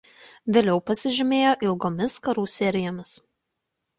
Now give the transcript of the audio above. Vėliau pasižymėjo ilgomis karų serijomis.